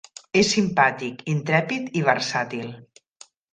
És simpàtic, intrèpid i versàtil.